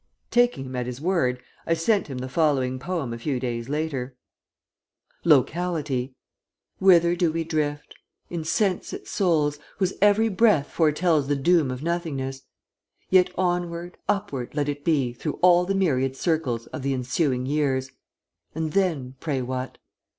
Taking him at his word, I sent him the following poem a few days later: LOCALITY Whither do we drift, Insensate souls, whose every breath Foretells the doom of nothingness? Yet onward, upward let it be Through all the myriad circles Of the ensuing years And then, pray what?